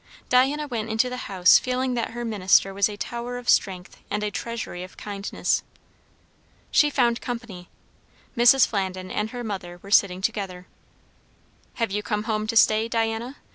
Diana went into the house feeling that her minister was a tower of strength and a treasury of kindness. She found company. Mrs. Flandin and her mother were sitting together. "Hev' you come home to stay, Diana?"